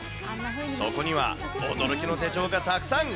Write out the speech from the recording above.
そこには、驚きの手帳がたくさん。